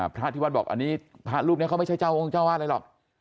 พระที่วัดบอกอันนี้พระรูปนี้เขาไม่ใช่เจ้าองค์เจ้าวาดอะไรหรอก